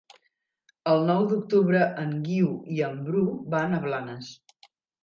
El nou d'octubre en Guiu i en Bru van a Blanes.